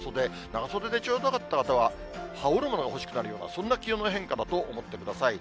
長袖でちょうどよかった方は羽織るもの欲しくなるような、そんな気温の変化だと思ってください。